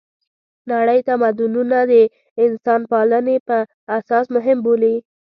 نړۍ تمدونونه د انسانپالنې په اساس مهم بولي.